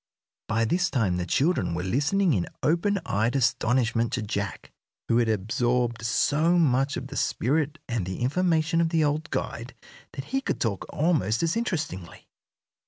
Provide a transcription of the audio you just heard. By this time the children were listening in open eyed astonishment to Jack, who had absorbed so much of the spirit and the information of the old guide that he could talk almost as interestingly.